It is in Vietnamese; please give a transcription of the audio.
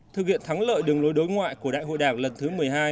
thực hiện thắng lợi đường lối đối ngoại của đại hội đảng lần thứ một mươi hai